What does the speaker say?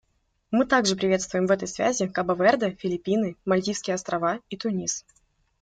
Мы также приветствуем в этой связи Кабо-Верде, Филиппины, Мальдивские Острова и Тунис.